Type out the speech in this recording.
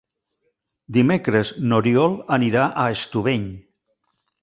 Dimecres n'Oriol anirà a Estubeny.